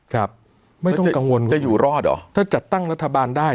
ครับไม่ต้องกังวล